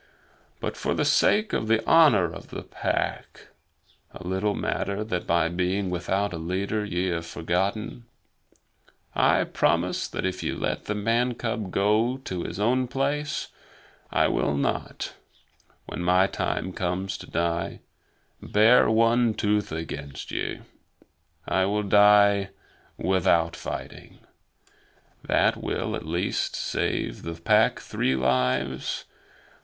But for the sake of the Honor of the Pack, a little matter that by being without a leader ye have forgotten, I promise that if ye let the man cub go to his own place, I will not, when my time comes to die, bare one tooth against ye. I will die without fighting. That will at least save the Pack three lives.